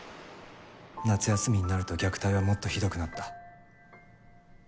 夏休みになると虐待はもっとひどくなった。